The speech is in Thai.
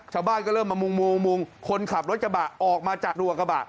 ชาวบ้านก็เริ่มมามุงมุงคนขับรถกระบะออกมาจากรัวกระบะ